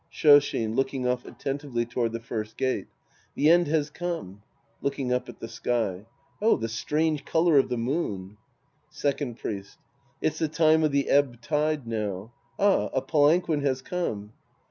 Shoshin {looking off attentively toward the first gate.) The end has come. {Looking up at the sky.) Oh, the strange color of the moon ! Second Priest. It's the time of the ebb tide now. Ah, a palanquin has come.